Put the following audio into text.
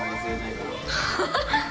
ハハハハ！